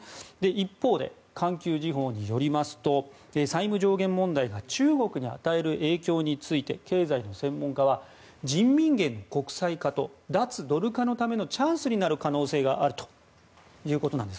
一方で環球時報によりますと債務上限問題が中国に与える影響について経済の専門家は人民元の国際化と脱ドル化のためのチャンスになる可能性があるということなんです。